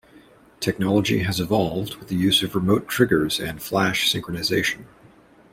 Technology has evolved with the use of remote triggers and flash synchronization.